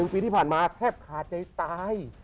ปีที่ผ่านมาแทบขาดใจตาย